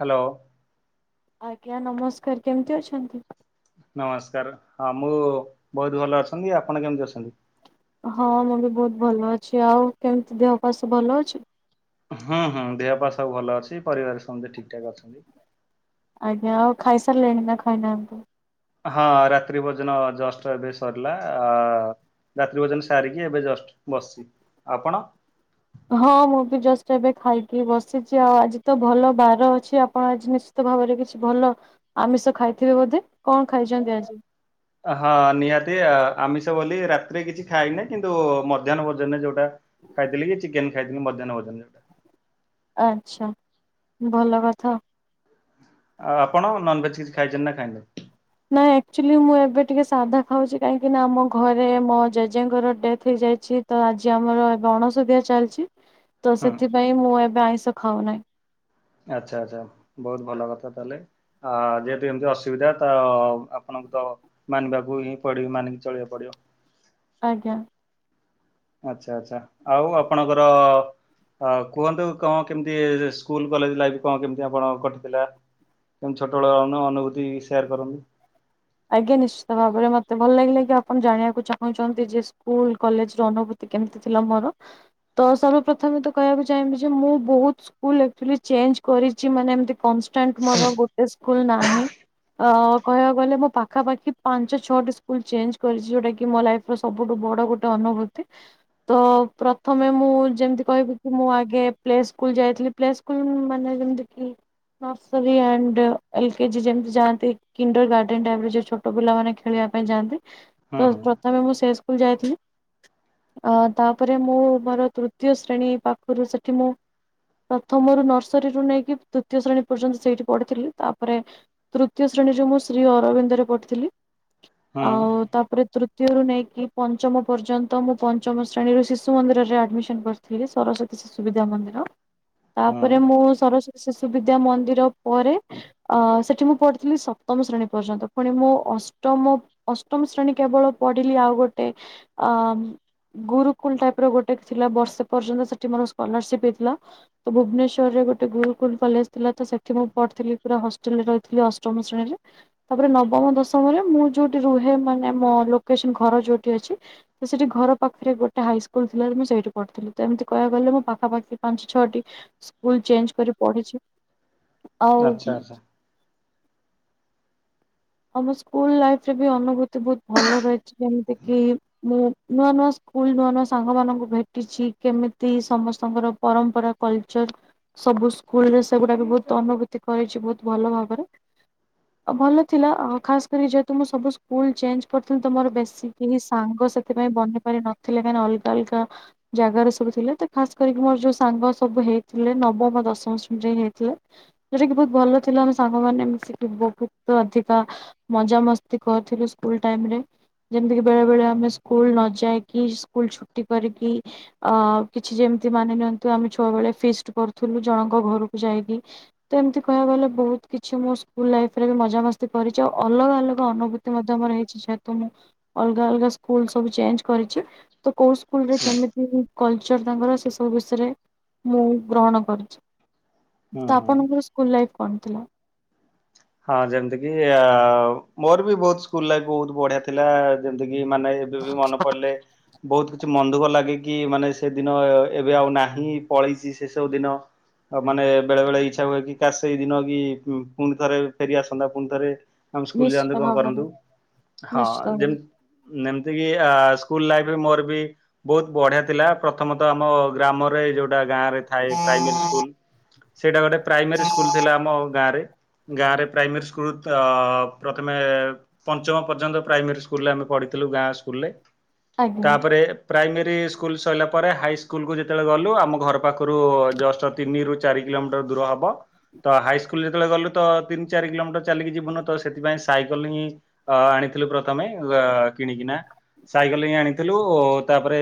Hello. ଆଜ୍ଞା ନମସ୍କାର କେମତି ଅଛନ୍ତି? ନମସ୍କାର ହଁ ମୁଁ ବହୁତ ଭଲ ଅଛନ୍ତି। ଆପଣ କେମିତି ଅଛନ୍ତି? ହଁ ମୁଁ ବି ବହୁତ ଭଲ ଅଛି। ଆଉ କେମିତି ଦେହ ପା ସବୁ ଭଲ ଅଛି? ହୁଁ ହୁଁ ଦେହ ପା ସବୁ ଭଲ ଅଛି ପରିବାର ସମସ୍ତେ ଠିକ ଠାକ୍ ଅଛନ୍ତି। ଆଜ୍ଞା ଆଉ ଖାଇସାରିଲେଣି ନା ଖାଇନାହାନ୍ତନ୍ତି? ହଁ ରାତ୍ରି ଭୋଜନ ଜଷ୍ଟ ଏବେ ସରିଲା। ଆ ରାତ୍ରୀି ଭୋଜନ ସାରିକି ଏବେ ଜଷ୍ଟ ବସିଚି। ଆପଣ? ହଁ ମୁଁ ବି ଜଷ୍ଟ ଏବେ ଖାଇକି ବସିଚି। ଆଉ ଆଜି ତ ଭଲ ବାର ଅଛି ଆପଣ ଆଜି ନିସ ଶ୍ଚିନ୍ତ ଭାବରେ କିଛି ଭଲ ଆମିଷ ଖାଇଥିବେ ବୋଧେ କଣ ଖାଇଛନ୍ତି ଆଜି? ହଁ ନିହାତି ଆମିଷ ବୋଲି ରାତିରେ କିଛି ଖାଇନି କିନ୍ତୁ ମଧ୍ୟାହ୍ନ ଭୋଜନରେ ଯୋଉଟା ଖାଇଥିଲି ଚିକେନ ଖାଇଦଥିଲି ମଧ୍ୟାହ୍ନ ଭୋଜନରେ। ଆଛା ଭଲ କଥା ଆଉ। ଆଉ ଆପଣ ନନ ଭେଜ୍ କିଛି ଖାଇଚନ୍ତି ନା ଖାଇନାନ୍ତି? ନାଁ ଆକ୍ଚୁଆଲି ମୁଁ ଏବେ ଟିକେ ସାଧା ଖାଉଚି କାହିଁକି ନା ଆମ ଘରେ ମୋ ଜେଜେଙ୍କର ଡେଥ୍ ହେଇଯାଇଛି ତ ଆଜି ଆମର ଏବେ ଅଣସୁଧିଆ ଚାଲିଚି ତ ହୁଁ ସେଥିପାଇଁ ମୁଁ ଏବେ ଆଇଁଷ ଖାଉ ନାହିଁ। ଆଚ୍ଛା ଆଚ୍ଛା ବହୁତ ଭଲ କଥା ତାହେଲେ। ଆ ଯେହେତୁ ଏମିତି ଅସୁବିଧା ତ ଆପଣଙ୍କ ମାନିବାକୁ ହିଁ ପଡିବ ମାନିକି ଚଳିବାକୁ ପଡିବ। ଆଜ୍ଞ। ଆଛା ଆଛା ଆଉ ଆପଣଙ୍କର ଅ କୁହନ୍ତୁ କଣ କେମିତି ସ୍କୁଲ କଲେଜ ଲାଇଫ କଣ କେମିତି ଆପଣ କଟିଥିଲା? [unintelligible] ଛୋଟବେେଳ ଅନୁଭୂତି ସେୟାର କରନ୍ତୁ। ଆଜ୍ଞା ନିଶ୍ଚିତ ଭାବରେ ମତେ ଭଲ ଲାଗିଲା କି ଆପଣ ଜାଣିବାକୁ ଚାହୁଁଛନ୍ତି ଯେ ସ୍କୁଲ କଲେଜ ର ଅନୁଭୁ କେମିତି ଥିଲା ମୋର ତ ସର୍ବପ୍ରଥମେ ତ କହିବାକୁ ଚାହିଁବି ଯେ ମୁଁ ବହୁତ ସ୍କୁଲ ଚେଞ୍ଜ କରିଚି ମାନେ ଏମତି କନଷ୍ଟାଣ୍ଟ ମୋର ଗୋଟେ ସ୍କୁଲ୍ ନାହିଁ। ଅ କହିବାକୁ ଗଲେ ମୋ ପାଖା ପାଖି ପାଞ୍ଚ ଛଅଟି ସ୍କୁଲ୍‌ ଚେଞ୍ଚେ କରିଚି, ଯଉଟା କି ମୋ ଲାଇଫ୍ ର ସବୁଠୁ ବଡ଼ ଗୋଟେ ଅନୁଭୂତି। ତ ପ୍ରଥମେ ମୁଁ ଯେମ୍ତି କହିବି କି ମୁଁ ଆଗେ ପ୍ଲେ ସ୍କୁଲ୍‌ ଯାଇଥିଲି। ପ୍ଲେ କୁଲ୍‌ ମାନେ ଯେମ୍ତିକି ନର୍ସରୀ ଆଣ୍ଡ ଏଲ୍ କେଜି ଯେମ୍ତି ଯାଆନ୍ତି, କିଣ୍ଡର୍ ଗାଡ଼େନ୍ ଟାଇପ୍ ର ଯ ଛୋଟ ପିଲାମାନେ ଖେଳିବା ପାଇଁ ଯାଆନ୍ତି, ହୁଁ ତ ହୁଁ ପ୍ରଥମେ ମୁଁ ସେ ସ୍କୁଲ୍‌ ଯାଇଥିଲି। ଅ ତା'ପରେ, ମୁଁ ମର ତୃତୀୟ ଶ୍ରେଣୀ ପାଖରୁ ସେଠି ମୁଁ ପ୍ରଥମରୁ ନର୍ସରୀରୁୁ ନେଇକି ତୁତୀୟ ଶ୍ରେଣୀ ପର୍ଯ୍ୟନ୍ତ ସେଇଠି ପଢ଼ିଥିଲି। ତା'ପରେ ତୃତୀୟ ଶ୍ରେଣୀରେ ମୁଁ ଶ୍ରୀ ଅରବିନ୍ଦରେ ପ ଥିଲି। ହୁଁ ଆଉ ତା'ପରେ ତୃତୀୟରୁୁ ନେଇକି ପଞ୍ଚମ ପର୍ଯ୍ୟନ୍ତ, ମୁଁ ପଞ୍ଚମ ଶ୍ରେଣୀରୁ ଶିଶୁ ମନ୍ଦିରରେ ଆଡ୍‌ମିଶନ୍‌ କ ଥି ସରସ୍ଵତୀ ଶିଶୁ ବିଦ୍ଯା ମନ୍ଦିର। ହୁଁ ତା'ପରେ ମୁଁ ସରସ୍ଵତୀ ଶିଶୁ ବିଦ୍ୟା ମନ୍ଦିର ପରେ ଆଁ, ସେଠି ମୁଁ ପଢ଼ିଥିଲି ସପ୍ତମ ଶ୍ରେଣୀ ପର୍ଯ୍ୟନ୍ତ। ଫୁଣି ମୁଁ ଅଷ୍ଟମ, ଅଷ୍ଟମ ଶ୍ରେଣୀ କେବଳ ପଢ଼ିଲି ଆଉ ଗୋଟେ। ଗୁରୁ କୁଲ୍ ଟାଇପ୍ ର ଗୋଟେ ଥିଲା, ବର୍ଷେ ପର୍ଯ୍ୟନ୍ତ ସେଠି ମର ସ୍କଲାର୍ସିପ୍ ହେଇଥ୍ଲା। ତ ଭୁବ୍ନେଶ୍ୱର୍ ଗୋଟେ ଗୁରୁୁକୁଲ୍ କଲେଜ୍‌ ଥିଲା, ତ ସେଠି ମୁଁ ପଢ୍ ଥିଲି, ପୁରା ହଷ୍ଟେଲରେ ରହିଥିଲି। ଅଷ୍ଟମ ଶ୍ରେଣୀରେ। ତା'ପରେ ନବମ ଦଶମରେ ମୁଁ ଯଉଠି ରୁହେ, ମାନେ ମୋ ଲୋକେସନ୍‌ ଘର ଯଉଠି ଅଛି। ତ ସେ-ଟି ଘର ପାଖ୍ ରେ ଗୋଟେ ହାଇସ୍କୁଲ୍‌ ଥିଲା, ମୁଁ ସେଇଠି ପଢ୍‌ଥିଲି। ତ ଏମିତି କହିୟା କୁ ଗଲେ ମୋ ପାଞ୍ଚ୍ ଛଅଟି ସ୍କୁଲ୍‌ ଚେଞ୍ଚ୍ କରି ପଢ଼ିଛି ‌ଆଉ ଆଚ୍ଛା ଆଚ୍ଛା ଆମ ସ୍କୁଲ ଲାଇଫ୍ ରେ ବି ଅନୁଭୂତି ବହୁତ୍ ଭଲ ରହି। ଯେମିତି କିି ମୁଁ, ନୂଆ ନୂଆ ସ୍କୁଲ୍‌ ନୂଆ ନୂଆ ସାଙ୍ଗ ମାନଙ୍କୁ ଭେଟିଛି। କେମିତି ସମସ୍ତଙ୍କର ପରମ୍ପରା କଲ୍ଚର୍ ସବୁ ସ୍କୁଲରେ ସେଗୁଡ଼ା ବି ବହୁତ୍ ଅନୁଭୂତି କରଛି, ବହୁତ୍ ଭଲ ଭାବରେ। [unintelligible] ଥିଲା ଖାସ୍ କରି ଯେହେତୁ ମୁଁ ସବୁ ସ୍କୁଲ୍‌ ଚେଞ୍ଚ୍ କର୍ ଥିଲି, ତ ମର ବେଶୀ କେହି ସାଙ୍ଗ ସେଥି ପାଇଁ ବନି ପାରି ନ [inaudible] ଜାଗାରେ ସବୁ ଥିଲେ, ତ ଖାସ୍‌ କରିକି ମର୍ ଯଉ ସାଙ୍ଗ ସବୁ ହେଇଥିଲେ ନବମ, ଦଶମ ଶ୍ରେଣୀ ଯା---ହେଇଥିଲେ। ଉଟା କିି ବହୁତ୍ ଭଲ ଥିଲା, ଆମେ ସାଙ୍ଗ ମାନେ ମିଶିକି ବହୁ ଅଧିକା ମଜା ମସ୍ତି କ---ଥିଲୁ ସ୍କୁଲ୍ ଟାଇମ୍ ରେ। ଯେମ୍ତିକି ବେଳେ ବେଳେ ଆମେ ସ୍କୁଲ ନ ଯାଇକି, ସ୍କୁଲ୍‌ ଛୁଟି କରିକି। ଆଁ କିଛି ଯେମ୍ତି ମାନି ନିଅନ୍ତୁ, ଆମେ ଛୁଆ ବଳେ ଫିଷ୍ଟ୍ କରୁଥିଲୁ ଜଣଙ୍କ ଘରୁକୁ ଯାଇକି। ତ ଏମ୍ତି କହି---କୁ ଗଲେ ବହୁତ୍ କିଛି ମୁଁ ସ୍କୁଲ୍‌ ଲାଇପ୍ ରେ ବି ମ ମଜା ମସ୍ତି କରିଚ, ଅଲଗା ଅଲଗା ଅନୁଭୂତି ମଧ୍ୟ ମର ହେଇଚି। ଯେହେତୁ ମୁଁ ଅଲ୍ଗା ଅଲ୍ଗା ସ୍କୁଲ୍ ସବୁ ଚେଞ୍ଚ୍ କରିଚି। ତ କଉ ସ୍କୁଲ୍ ରେ କେମିତି କଲ୍ଚର୍ ତାଙ୍କର ସେ ସବୁ ବିଷ୍ରେ ମୁଁ ଗ୍ରହଣ କରି। ହୁଁ ତ ହୁଁ। ଆପ କୁଲ୍‌ ଲାଇଫ୍ କ'ଣ ଥିଲା? ହଁ, ଯେମ୍ତିକିି ମୋର ବି ବହୁତ୍ ସ୍କୁଲ ଲାଇଫ୍ ବହୁତ୍ ବଢ଼ିଆ ଥିଲା, ଯେମ୍ତି କି ମାନେ ଏବେ ବି ମନେ ପ---ଲେ ବହୁ କିଛି ମନ୍‌ ଦୁଃଖ ଲାଗେ କି, ମାନେ ସେ ଦିନ ଏବେ ଆଉ ନାହିଁ ପଳେଇଚି ସେ ସବୁ ଦିନ। ଆଉ ମାନେ ବେଳେ ବେଳେ ଇଚ୍ଛା ହୁଏ କି, କାସ୍‌ ସେଇ ଦିନ କି--ପୁଣି ଥରେ ଫେରି ଆସନ୍ତା ପୁଣ୍ ଥରେ ଆମେ ସ୍କୁଲ୍‌ ନିଶ୍ଚିତ ଯାଆନ୍ତୁ, ଙ୍କ ଭାବରେ କରନ୍ତୁ। ହଁ ନିଶ୍ଚିତ ଭାବରେ ଯେମ୍ ନେମ୍ତିକିି ଆ ସ୍କୁଲ୍ ଲାଇଫ୍ ମର୍ ବି ବହୁତ୍‌ ବଢ଼ିଆ ଥିଲା, ପ୍ରଥମତ ଆମ ଗ୍ରାମରେ ଯଉଟା ଗାଁରେ ଥାଏ ପ୍ରାଇମେରୀ ସ୍କୁଲ୍। ସେଇଟା ଗୋଟେ ପ୍ରାଇମାରୀ ସ୍କୁଲ୍ ଥିଲା ଆମ ଗାଁ ରେ। ଗାଁ ରେ ପ୍ରାଇମେରୀ ସ୍କୁଲ୍---ପ୍ରଥ୍ମେ ପଞ୍ଚମ ପର୍ଯ୍ୟନ୍ତ ପ୍ରାଇମେରୀ ସ୍କୁଲରେ ଆମେ ପଢ଼ିଥିଲୁ, ଗାଁ ସ୍କୁଲରେ। ଆଜ୍ଞା ତା'ପରେ ପ୍ରାଇମେରୀ ସ୍କୁଲ୍ ସଇଲା ପରେ, ହାଇସ୍କୁଲ୍କୁ ଯେତେବେଳେ ଗଲୁ, ଆମ ଘର ପାଖରୁ ଜଷ୍ଟ ତିନିରୁ ଚାରି କିଲୋମିଟର ଦୂର ହବ। ତ ହାଇସ୍କୁଲ ଯେତେବେଳେ ଗଲୁ ତ ତିନ ଚାରି କିଲୋମିଟର ଚାଲିକି ଯିବୁନୁ ତ, ସେଥିପାଇଁ ସାଇକଲ ହିଁ ଅ-ଆଣିଥିଲୁ ପ୍ରଥମେ ଅ-କିଣିକିନା, ସାଇକେଲ ହିଁ ଆଣିଥିଲୁ ଓ ତା'ପରେ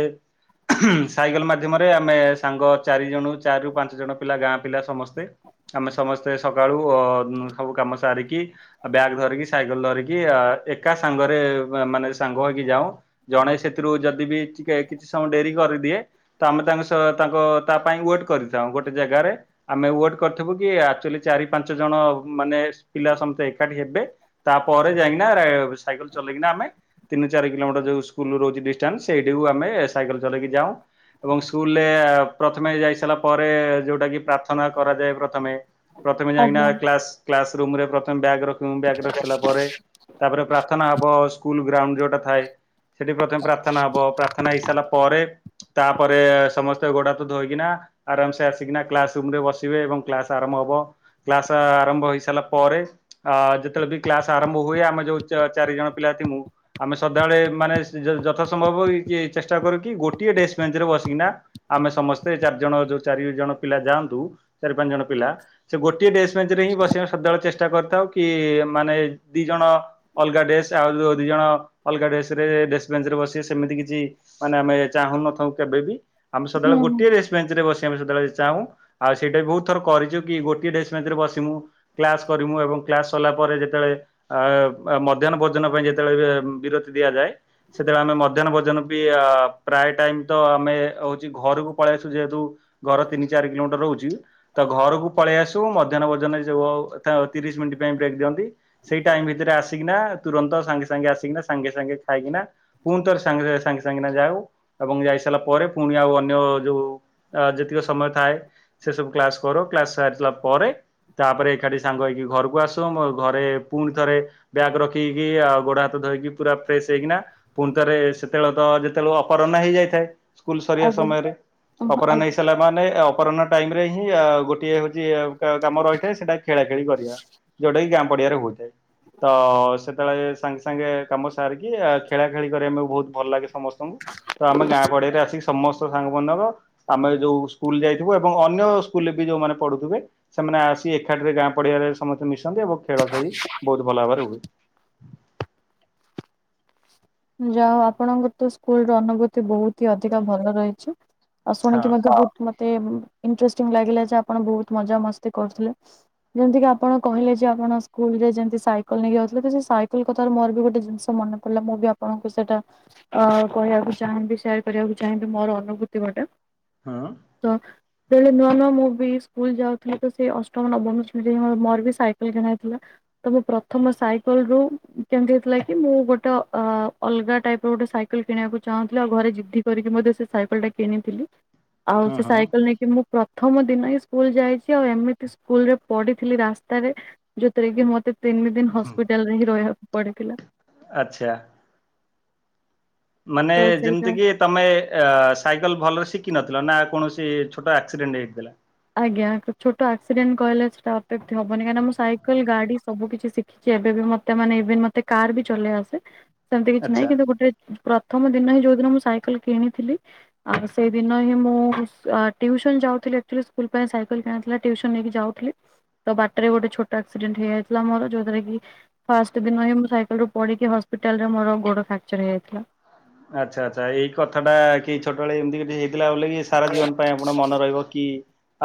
ସାଇକେଲ୍ ମାଧ୍ୟମରେ ଆମେ ସାଙ୍ଗ ଚାରିଜଣ ଚାରିରୁ ପାଞ୍ଚ ଜଣ ପିଲା ଗାଁ ପିଲା ସମସ୍ତେ ଆମେ ସମସ୍ତେ ସକାଳୁ ଅ ସବୁ କାମ ସାରିକି, ବ୍ୟାଗ୍ ଧରିକି ସାଇକ୍ କଲ୍ ଧରିକି ଆ ଏକା ସାଙ୍ଗରେ ମାନେ, ସାଙ୍ଗ ହେଇକି ଯାଉଁ। ଜଣେ ସେଥିରୁ ଯଦି ବି ଟିକେ କିଛି ସମୟ ଡେରି କରିଦିଏ। ତ ଆମେ ତାଙ୍କ ସହ ତାଙ୍କ ତା ପାଇଁ ୱେଟ୍ କରିଥାଉଁ ଗୋଟେ ଜାଗାରେ। ଆମେ ୱେଟ୍ କରିଥିବୁ କି, ଆକ୍ଚୁଆଲି ଚାରି ପାଞ୍ଚ ଜଣ ମାନେ ପିଲା ସମ୍ ତେ ଏକାଠି ହେବେ। ତା'ପରେ ଯାଇକିନା ସାଇକେଲ୍ ଚଲେଇକିନା ଆମେ ତିନି ଚାରି କିଲୋମିଟର ଯଉ ସ୍କୁଲ ରହୁଛି ଡିଷ୍ଟାନ୍ସ, ସେଇଠିକୁ ଆମେ ସାଇକଲ ଚଲେଇକି ଯାଉଁ। ଏବଂ ସ୍କୁଲରେ ପ୍ରଥମେ ଯାଇସାଇଲା ପରେ, ଯୋଉଟା କିି ପ୍ରାର୍ଥନା କରାଯାଏ ପ୍ରଥମେ ପ୍ରଥମେ ଯାଇକିନା ଆଜ୍ଞା କ୍ଲାସ୍ କ୍ଲାସ୍ ରୁମରେ ପ୍ରଥମେ ବ୍ୟାଗ୍, ବ୍ୟାଗ୍ ରଖି ସାଇଲା ପରେ ତା'ପରେ ପ୍ରାର୍ଥନା ହବ। ସ୍କୁଲ ଗ୍ରାଉଣ୍ଡ ଯୋଉଟା ଥାଏ, ସେଠି ପ୍ରଥମେ ପ୍ରାର୍ଥନା ହବ। ପ୍ରାର୍ଥନା ହେଇସାଇଲା ପରେ ତା'ପରେ ସମସ୍ତେ ଗୋଡାହାତ ଧୋଇକିନା ଆରାମ୍ ସେ ଆସିକିନା କ୍ଲାସ୍ ରୁମ୍ ରେ ବସିବେ ଏବଂ କ୍ଲାସ୍ ଆରମ୍ଭ ହବ। କ୍ଲାସ୍ ଆରମ୍ଭ ହେଇ ସାରିଲା ପରେ ଅ ଯେତେବେଳେ ବି କ୍ଲାସ୍ ଆରମ୍ଭ ହୁଏ, ଆମେ ଯୋଉ ଚ-ଚାରି ଜଣ ପିଲା ଥିମୁୁ ଆମେ ସଦାବେଳେ ମାନେ ଯଥା ସମ୍ଭବ ଇଏ ଚେଷ୍ଟା କରୁ କି ଗୋଟିଏ ଡେସ୍କ୍ ବେଞ୍ଚରେ ବସିକିନା ଆମେ ସମସ୍ତେ ଚାରି ଜଣ ଯୋଉ ଚାରି ଜଣ ପିଲା ଯାଆନ୍ତୁ, ଚାରି ପାଞ୍ଚ ଜଣ ପିଲା ସେ ଗୋଟିଏ ଡେସ୍ ବେଞ୍ଚ୍ ରେ ହିଁ ବସିବା ସଦାବେଳେ ଚେଷ୍ଟା କରିଥାଉ କି-ଇ ମାନେ ଦି ଜଣ ଅଲଗା ଡେସ୍ ଆଉ ଯଉ ଦି ଜଣ ଅଲଗା ଡେସ୍ ରେ ଡେସ୍ ବେଞ୍ଚ ରେ ବସିବେ ସେମିତି କିଛି ମାନେ ଆମେ ଚାହୁଁନ ନଥାଉ କେବେ ବି? ଆମେ ସଦାବେଳେ ହୁଁ ହୁଁ ଗୋଟିଏ ଡେସ୍ ବେଞ୍ଚ୍ ରେ ବସିବା ଆମେ ସେତେବେଳେ ଚାହୁଁ ଆଉ, ସେଇଟା ବହୁତ ଥର କରିଛୁ କି, ଗୋଟିଏ ଡେସ୍ ବେଞ୍ଚ୍ ରେ ବସିମୁୁଁ କ୍ଲାସ୍ କରିମୁଁ ଏବଂ କ୍ଲାସ୍ ସରିଲା ପରେ ଯେତେଳେ ଆ ମଧ୍ୟାହ୍ନ ଭୋଜନ ପାଇଁ ଯେତେବେଳେ-ଏ, ବି ବିରତି ଦିଆଯାଏ। ସେତେବେଳେ ଆମେ ମଧ୍ୟାହ୍ନ ଭୋଜନ ବି-ଅ ପ୍ରାୟ ଟାଇମ୍ ତ ଆମେ ହଉଛି ଘରକୁ ପଳେଇ ଆସୁ, ଯେହେତୁ ଘର ତିନି ଚାରି କିଲୋମିଟର ରହୁଛି। ତ ଘରକୁ ପଳେଇ ଆସୁ, ମଧ୍ୟାହ୍ନ ଭୋଜନ ଯଉ ଥା, ତିରିଶ ମିନ୍ଟି ପାଇଁ ବ୍ରେକ୍ ଦିଅନ୍ତି। ସେଇ ଟାଇମ୍ ଭିତରେ ଆସିକିନା, ତୁରନ୍ତ ସାଙ୍ଗେ ସାଙ୍ଗେ ଆସିକିନା, ସାଙ୍ଗେ ସାଙ୍ଗେ ଖାଇକିନା ପୁଣିଥରେ ସାଙ୍ଗେରେ, ସାଙ୍ଗେ ସାଙ୍ଗେ କିନା ଯାଉ ଏବଂ ଯାଇସାଇଲା ପରେ, ପୁଣି ଆଉ ଅନ୍ୟ ଯୋଉ ଅ ଯେତିକି ସମୟ ଥାଏ। ସେ ସବୁ କ୍ଲାସ୍ କରୁ। କ୍ଲାସ୍ ସାରିଲା ପରେ ତା'ପରେ ଏକାଠି ସାଙ୍ଗ ହେଇକି, ଘରକୁ ଆସୁ। ମୋ ଘରେ ପୁଣି ଥରେ ବ୍ୟାଗ୍ ରଖିକି, ଆଉ ଗୋଡ ହାତ ଧୋଇକି ପୁରା ଫ୍ରେଶ୍ ହେଇକିନା ପୁଣି ଥରେ ସେତେବେଳେ ତ, ଯେତେବେଳେ ଅପରହ୍ନ ହେଇଯାଇଥାଏ। ସ୍କୁଲ ସରିବା ଆଜ୍ଞା ସମୟରେ ଅପରା୍ହ୍ନ ହେଇ ଆଜ୍ଞା। ସଲା ମାନେ ଅପରାହ୍ନ ଟାଇମ୍ ରେ ହିଁ, ଆ ଗୋଟିଏ ହଉଛି କାମ ରହି ଖେଳା ଖେଳି କରିବା। ଯୋଉଟା କି ଗାଁ ପଡିଆରେ ହୋଇ ଥାଏ। ତ ସେତେବେଳେ ସାଙ୍ଗେ ସାଙ୍ଗେ କାମ ସାରିକି, ଆ ଖେଳା ଖେଳି କରିବାପାଇଁ ବହୁତ ଭଲ ଲାଗେ ସମସ୍ତଙ୍କୁ। ତ ଆମେ ଗାଁ ପଡିଆରେ ଆସିକି ସମସ୍ତ ସାଙ୍ଗମନକ ଆମେ ଯୋଉ ସ୍କୁଲ ଯାଇଥିବୁ ଏବଂ ଅନ୍ୟ ସ୍କୁଲରେ ବି ଯୋଉମାନେ ପଢୁଥିବେ ସେମାନେ ଆସ୍ ସି ଏକାଠିରେ ଗାଁ ପଡିଆରେ ସମସ୍ତେ ମିଶନ୍ତି, ଏବଂ ଖେଳ ଖେଳି ବହୁତ ଭଲ ଭାବରେ ହୁଏ। ଯାହଉ, ଆପଣଙ୍କର ତ ସ୍କୁଲ ର ଅନୁଭୂତି ବହୁତ ହି ଅଧିକା ଭଲ ରହିଛି। ଆଉ ହଁ ଶୁଣିକି ମତେ ବହୁତ୍ ମତେ ଇନ୍ଟ୍ରେଷ୍ଟିଙ୍ଗ ଲାଗିଲା ଯେ, ଆପଣ ବହୁତ ମଜା ମସ୍ତି କରୁଥିଲେ। ଯେମିତି କି ଆପଣ କହିଲେ ଯେ ଆପଣ ସ୍କୁଲ ରେ ଯେମିତି ସାଇକେଲ ନେଇକି ଯାଉଥିଲେ ତ ସୋଇକେଲ କଥାର ମୋର ବି ଗୋଟେ ଜିନିଷ ମନେ କଇଲା ମୁଁ ବି ଅ ଆପଣଙ୍କୁ ସେଟା ଅ କହିବାକୁ ଚାହାଁନ୍ତି ସେୟାର କରିବାକୁ ଚାହାଁନ୍ତି ମୋର ଅନୁଭୂତି ଗୋଟେ। ହଁ। ତ ତେବେଳେ ନୂଆ ନୂଆ ମୁଁ ବି ସ୍କୁଲ ଯାଉଥିଲି ତ ସେ ଅଷ୍ଟମ ନବମୀ ଶ୍ରେଣୀରେ ମୋର ବି ସାଇକେଲ କିଣାହେଇଥିଲା। ତ ମୁ ପ୍ରଥମ ସାଇକେଲ୍ ରୁ କେମିତି ହେଇଥିଲା କି ମୁଁ ଗୋଟେ ଅ ଅଲଗା ଟାଇପ ର ଗୋଟେ ସାଇକେଲ କିଣିବାକୁ ଚାହୁଁଥିଲି ଆଉ ଘରେ ଜିଦ୍ଧି କରିକି ମଧ୍ୟ ସେ ସାଇକେଲ ଟା କିଣିଥିଲି। ଆଉ ହଁ ସେ ହଁ ସାଇକେଲ ନେଇ ମୁଁ ପ୍ରଥମ ଦିନ ହିଁ ସ୍କୁଲ ଯାଇଚି ଆଉ ଏମିତି ସ୍କୁଲରେ ପଢିଥିଲି ରାସ୍ତାରେ। ଯୋଉଥିରେ କି ମତେ ତିନି ଦିନ୍ ହସ୍ପିଟାଲ୍ ରେ ହିଁ ରହିବାକୁ ପଡିଥିଲା। ଆଚ୍ଛା। ମାନେ ତ ସେଇଟା ଯେମିତି କିି ତମେ ଅଆ ସାଇକେଲ ଭଲରେ ଶିଖିିନଥିଲ ନା କୌଣସି ଛୋଟ ଆକ୍ସିଡେଣ୍ଟ୍ ହେଇଯାଇଥିଲା? ଆଜ୍ଞା ଛୋଟ ଆକ୍ସିଡେଣ୍ଟ୍ କହିଲେ ସେଟା ଅପେବ୍ଧି ହବନି କାହିଁକିନା ମୁଁ ସାଇକେଲ୍ ଗାଡି ସୁବୁ କିଛି ସି କିଛି ଏବେ ବି ମତେ ମାନେ ଇଭିନ୍ ମତେ କାର୍ ବି ଚଲେଇ ଆସେ ସେମିତି କିଛି ନାଇଁ ଆଚ୍ଛା। କିନ୍ତୁ ଗୋଟେ ପ୍ରଥମ ଦିନ ହିଁ ଯୋଉ ଦିନ ମୁଁ ସାଇକେଲ କିଣିଥିଲି ଆଉ ସେଇଦିନ ହିଁ ମୁଁ ଟିଉସନ୍ ଯାଉଥିଲି। ସ୍କୁଲ୍ ପାଇଁ ସାଇକେଲ୍ କିଣାଥିଲା ଟ୍ୟୁସନ୍ ନେଇକି ଯାଉଥିଲଥିଲି। ତ ବାଟରେ ଗୋଟେ ଛୋଟ ଆକ୍ସିଡେଣ୍ଟ ହେଇଯାଇଥିଲା ମୋର ଯୋଉ ଟାରେ କି ଫାଷ୍ଟ୍ ଦିନ ହଁ ମୁଁ ସାଇକେଲରୁ ପିଡିକି ହସ୍ପିଟାଲ ମୋର ଗୋଡ ଫ୍ରାକ୍ଚର୍ ହେଇଯାଇଥିଲା। ଆଚ୍ଛା ଆଚ୍ଛା ଏଇ କଥାଟା କି ଛୋଟବେଳେ ଏମିତି କିଛି ହେଇଥିଲା ବୋଲିକି ସାରା ଜୀବନ ପାଇଁ ଉଣା ମନେ ରହିବ କି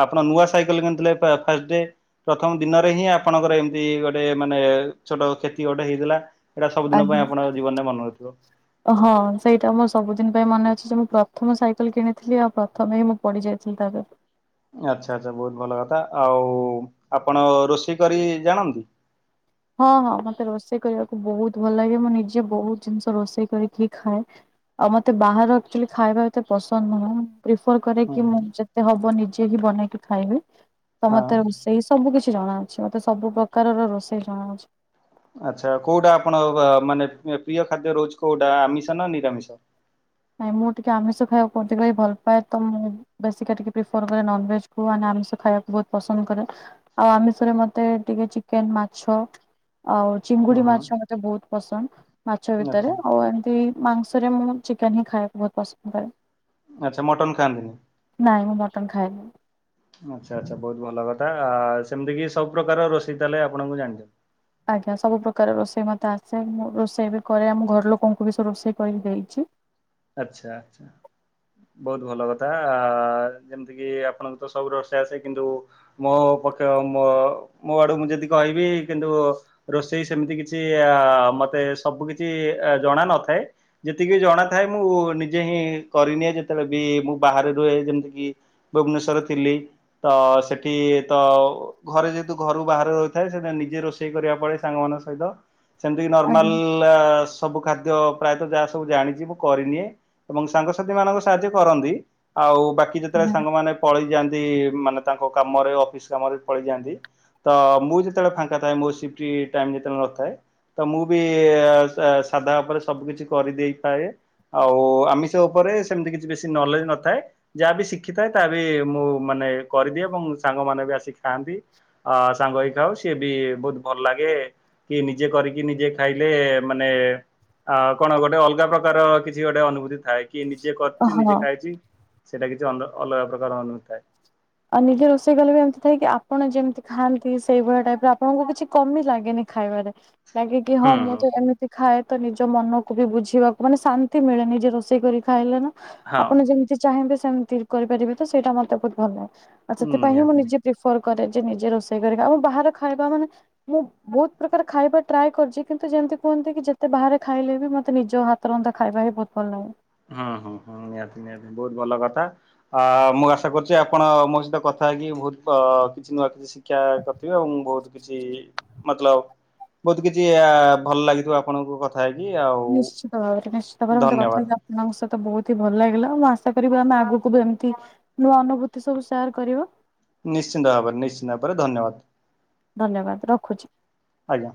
ଆପଣ ନୂଆ ସାଇକେଲ କିଣିଥିଲେ ଫାଷ୍ଟ୍ ଡେ। ପ୍ରଥମ ଦିନରେ ହିଁ ଆପଣଙ୍କର ଏମିତି ଗୋଟେ ମାନେ ଛୋଟ କ୍ଷତି ଗୋଟେ ହେଇଥିଲା। ଏଇଟା ସବୁଦିନ ଆଜ୍ଞା ପାଇଁ ଆପଣଙ୍କ ଜୀବନରେ ମନେ ରହିଥିବ। ହଁ ସେଇଟା ମୋ ସବୁଦିନ୍ ପାଇଁ ମନେ ଅଛି ଯେ ମୁଁ ପ୍ରଥମ ସାଇକେଲ୍ କିଣିଥିଲି ଆଉ ପ୍ରଥମେ ହିଁ ମୁଁ ପଡିଯାଇଥିଲି ତାପରେ। ଆଚ୍ଛା ଆଚ୍ଛା ବୋହୁତ୍ ଭଲ କଥା ଆଉ ଆପଣ ରୋଷେଇ କରି ଜାଣନ୍ତି? ହଁ ହଁ ମତେ ରୋଷେଇ କରିବାକୁ ବୋହୁତ୍ ଭଲ ଲାଗେ ମୁଁ ନିଜେ ବୋହୁତ୍ ଜିନିଷ ରୋଷେଇ କରିକି ଖାଏ। ଆଉ ମତେ ବାହାର ଆକ୍ଚୁଆଲି ଖାଇବା ଏତେ ପସନ୍ଦ ନୁହଁ। ପ୍ରିଫର କରେ ହୁଁ କି ହୁଁ ମୁଁ ଯେତେ ହବ ନିଜେ ହିଁ ବନେଇକି ଖାଇବି ତ ହଁ ମତେ ସେଇ ସବୁ କିଛି ଜଣାଅଛି ମତେ ସବୁ ପ୍ରକାରର ରୋଷେଇ ଜଣାଅଛି। ଆଚ୍ଛା କୋଉଟା ଆପଣ ମାନେ ପ୍ରିୟ ଖାଦ୍ୟ ରହୁଛି କୋଉଟା ଆମିଷ ନା ନିରାମିଷ? ନାଇଁ ମୁଁ ଟିକେ ଆମିଷ ଖାଇବାକୁ ଅଧିକ ହି ଭଲ୍ ପାଏ ତ ମୁଁ ବେଶୀକା ଟିକେ ପ୍ରିଫର୍ କରେ ନନ୍ଭେଜ୍ କୁ ମାନେ ଆମିଷ ଖାଇବାକୁ ବୋହୁତ୍ ପସନ୍ଦ୍ କରେ। ଆଉ ଆମିଷରେ ମତେ ଟିକେ ଚିକେନ୍ ମାଛ ଆଉ ହୁଁ ଚିଙ୍ଗୁଡି ହୁଁ ମାଛ ମତେ ବୋହୁତ୍ ପସନ୍ଦ୍ ମାଛ ଭିତରେ ଆଚ୍ଛା ଆଉ ଏମତି ମାଂସରେ ମୁଁ ଚି କେନ୍ ହିଁ ଖାଇବାକୁ ବୋହୁତ୍ ପସନ୍ଦ୍ କରେ ଆଚ୍ଛା ମଟନ ଖାଆନ୍ତିନି? ନାଇଁ ମୁଁ ମଟନ୍ ଖାଏନି। ଆଚ୍ଛା ଆଚ୍ଛା ବୋହୁତ୍ ଭଲ କଥା ଆ ସେମିତି କିି ସବୁ ପ୍ରକାରର ରୋଷେଇ ତାହଲେ ଆପଣଙ୍କୁ ଜାଣିଛନ୍ତି। ଆଜ୍ଞା ସବୁ ପ୍ରକାର ରୋଷେଇ ମୋତେ ଆସେ ମୁଁ ରୋଷେଇ ବି କରେ ଆମ ଘର ଲୋକଙ୍କୁ ବି ସବୁ ରୋଷେଇ କରି ଦେଇଛି। ଆଚ୍ଛା ଆଛା ବୋହୁତ୍ ଭଲ କଥା ଆ ଯେ ଯେମିତି କିି ଆପଣଙ୍କୁ ତ ସବୁ ରୋଷଇ ଆସେ କିନ୍ତୁ ମୋ ପକ୍ଷେ ମୋ ଆଡୁ ମୁଁ ଯଦି କହିବି କିନ୍ତୁ ରୋଷେଇ ସେମିତି କିଛି ଅଆ ମତେ ସବୁ କିଛି ଜଣା ନଥାଏ ଯେତିକି ଜଣା ଥାଏ ମୁଁ ନିଜେ ହିଁ କରିନିଏ ଯେତେବେଳେ ବି ମୁଁ ବାହାରେ ରୁହେ ଯେମିତି କିି ଭୁବନେଶୂର ଥିଲି। ତ ସେଠି ତ ଘରେ ଯେହେତୁ ଘରୁ ବାହାରେ ରହିଥାଏ ସେ ନିଜେ ରୋଷେଇ କରିବା ପଡେ ସାଙ୍ଗମାନ ସହ ହିତ ସେମିତି କି ଆଜ୍ଞା ନର୍ମାଲ ସବୁ ଖାଦ୍ୟ ପ୍ରାୟତଃ ଯାହା ସବୁ ଜାଣିଛି ମୁଁ କରିନିଏ ଏବଂ ସାଙ୍ଗସାଥି ମାନଙ୍କ ସାହାଯ୍ୟ କରନ୍ତି ଆଉ ବାକି ଯେତେବେ ଆଜ୍ଞା ସାଙ୍ଗମାନେ ପଳେଇଯାଆନ୍ତି ମାନେ ତାଙ୍କ କାମରେ ଅଫିସ୍ କାମରେ ପଳେଇଯାଆନ୍ତି ତ ମୁଁ ଯେତେବେଳେ ଫାଙ୍କା ତାଏ ମୋ ସିଫ୍ଟି ଟାଇମ ଯେତେବେଳେ ନଥାଏ ତ ମୁଁ ବି ଅ ସା ସାଧା ଉପରେ ସବୁ କିିଛି କରିଦେଇଥାଏ। ଆଉ ଆମିଷ ଉପରେ ସେମିତି କିଛି ବେଶୀ ନଲେଜ ନଥାଏ। ଯାହା ବିି ଶିଖିଥାଏ ତା ବି ମୁଁ ମାନେ କରିଦିଏ ଏବଂ ସାଙ୍ଗମାନେ ବି ଆସି ଖାଆନ୍ତି। ଅ ସାଙ୍ଗ ହେଇ ଖାଉ ସିଏ ବି ବହୁତ ଭଲ ଲାଗେ। କି ନିଜେ କରିକି ନିଜେ ଖାଇଲେ ମାନେ ଅ କଣ ଗୋଟେ ଅଲଗା ପ୍ରକାର କିଛି କିଛି ଗୋଟେ ଅନୁଭୂତି ଥାଏ କି ନିଜେ କରୁଚି ହଁ। ନିଜେ ଖାଇଚି ସେଟା କିଛି ଅଲ ଅଲଗା ପ୍ରକାର ଅନୁଭୂତି ଥାଏ। ଆଉ ନିଜେ ରୋଷେଇ କଲେ ବି ଏମିତି ଥାଏ କି ଆପଣ ଯେମିତି ଖାଆନ୍ତି ସେଇଭଳିଆ ଟାଇପର ଆପଣଙ୍କୁ କିଛି କମି ଲାଗେନି। ଖାଇବାରେ ଲାଗେ କି ହଁ ହୁଁ ମୁଁ ହୁଁ ତ ଏମିତି ଖାଏ ତ ନିଜ ମନକୁ ବି ବୁଝିବାକୁ ମାନେ ଶାନ୍ତି ମିଳେ ନିଜେ ରୋଷେଇ କରି ଖାଇଲେ ନା ହଁ ଆପଣ ଯେମି ମିତି ଚାହିଁବେ ସେମିତି କରିପାରିବେ ତ ସେଇଟା ମତେ ବହୁତ ଭଲ ଲାଗେ ଆଉ ସେଥିପାଇଁ ହିଁ ମୁଁ ନିହାତି। ନିଜେ ପ୍ରିଫର କରେ ଯେ ନିଜେ ରୋଷେଇ କରିବା ଆଉ ବାହାର ଖାଇବା ମାନେ ମୁଁ ବହୁତ ପ୍ରକାର ଖାଇବା ଟ୍ରାଏ କରିଛି କିନ୍ତୁ ଯେମିତି କୁହନ୍ତି କି ଯେତେ ବାହାରେ ଖାଇଲେ ବି ମତେ ନିଜ ହାତ ତରନ୍ଧା ଖାଇବା ହି ବି ବହୁତ ଭଲ ଲାଗେ। ହୁଁ ହୁଁ ହୁଁ ନିହାତି ନିହାତି ବହୁତ ଭଲ କଥା। ଅ ମୁଁ ଆଶା କରୁଛି ଆପଣ ମୋ ସହିତ କଥା ହେଇକି ବହୁତ କିଛି ନୂଆ କିଛି ଶିକ୍ଷା କରିିଥିବେ ଆଉ ମୁଁ ବହୁତ କିଛି ମତଲବ ବହୁତ କିଛି ଆ ଭଲ ଲାଗିଥିବ ଆପଣଙ୍କୁ କ ଥା ହେଇକି ଆଉ ନିଶ୍ଚିତ ଭାବରେ ନିଶ୍ଚିତ ଭାବରେ ମତେ ଧନ୍ୟବାଦ। କଥା [inaudible] ତମ ସହିତ ବହୁତ ହି ଭଲ ଲାଗିଲା ମୁଁ ଆଶା କରିବି ଆମେ ଆଗକୁ ବି ଏମିତି ନୂଆ ଅନୁଭୂତି ସବୁ ସେୟାର କରିବ। ନିଶ୍ଚିତ ଭାବରେ ନିଶ୍ଚିତ ଭାବରେ ଧନ୍ୟବାଦ। ଧନ୍ୟବାଦ ରଖୁଚି। ଆଜ୍ଞା।